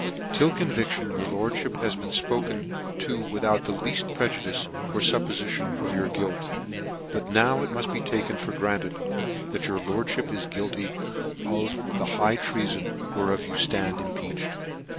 " Till conviction, your lordmip has been fpoke to without the lean: prejudice, or fuppofition of your guilt \ but now it mud be taken for granted, chat your lordfhip is guilty of the high treafori whereof you fland impeached.